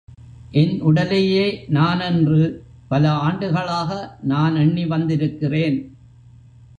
என் உடலையே நான் என்று பல ஆண்டுகளாக நான் எண்ணி வந்திருக்கிறேன்.